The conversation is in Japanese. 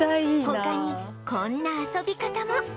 他にこんな遊び方も